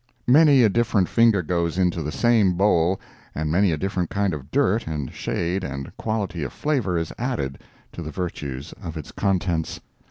Many a different finger goes into the same bowl and many a different kind of dirt and shade and quality of flavor is added to the virtues of its contents.